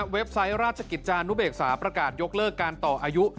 ไซต์ราชกิจจานุเบกษาประกาศยกเลิกการต่ออายุ